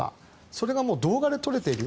それが動画で撮れている。